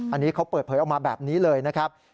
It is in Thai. อันนี้เขาเปิดเผยออกมาแบบนี้เลยนะครับ